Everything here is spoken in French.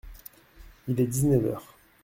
Il est dix-neuf heures.